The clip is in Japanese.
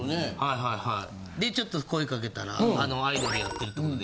はいはいでちょっと声掛けたらあのアイドルやってるってことで。